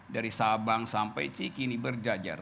dari sabang sampai cikini berjajar